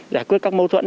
giải quyết các mâu thuẫn